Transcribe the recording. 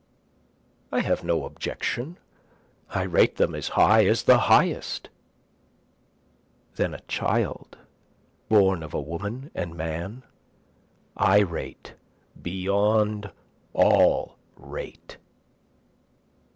I have no objection, I rate them as high as the highest then a child born of a woman and man I rate beyond all rate.